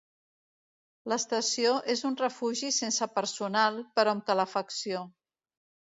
L'estació és un refugi sense personal, però amb calefacció.